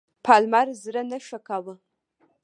پالمر زړه نه ښه کاوه.